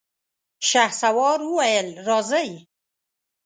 شهسوار وويل: راځئ!